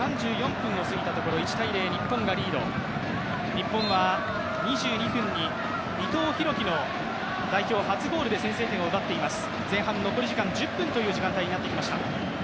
日本は２２分に伊藤洋輝の代表初ゴールで先制点を奪っています。